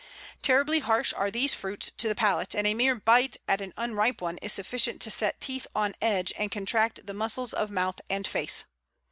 Terribly harsh are these fruits to the palate, and a mere bite at an unripe one is sufficient to set teeth on edge and contract the muscles of mouth and face.